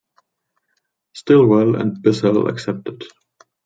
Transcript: Stilwell and Bissell accepted.